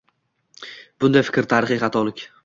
bunday fikr tarixiy xatolik.